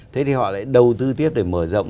thế thì họ lại đầu tư tiếp để mở rộng